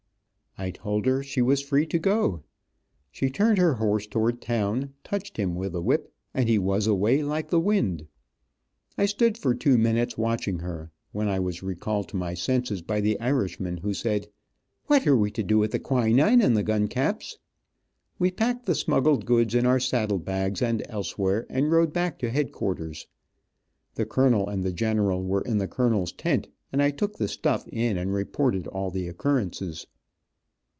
I told, her she was free to go. She turned her horse; towards town, touched him with the whip, and he was; away like the wind. I stood for two minutes, watching her, when I was recalled to my senses by the Irishman, who said: "Fhat are we to do wid the quinane and the gun caps?" We packed the smuggled goods in our saddle bags and elsewhere, and rode back to headquarters. The colonel and the general were in the colonel's tent, and I took the "stuff" in and reported all the occurrences.